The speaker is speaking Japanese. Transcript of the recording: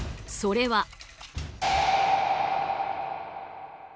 それは。